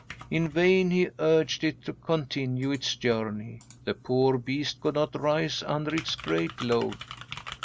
In vain he urged it to continue its journey. The poor beast could not rise under its great load.